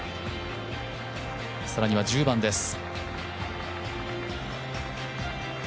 更には１０番です。